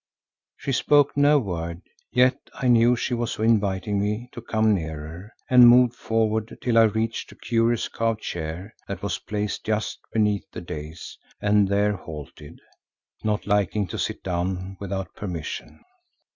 She spoke no word, yet I knew she was inviting me to come nearer and moved forward till I reached a curious carved chair that was placed just beneath the dais, and there halted, not liking to sit down without permission.